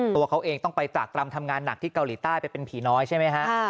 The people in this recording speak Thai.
ตัวเขาเองต้องไปจากตรำทำงานหนักที่เกาหลีใต้ไปเป็นผีน้อยใช่ไหมฮะ